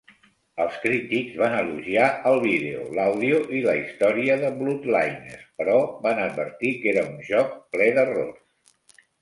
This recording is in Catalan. Els crítics van elogiar el vídeo, l'àudio i la història de "Bloodliness" però van advertir que era un joc ple d'errors.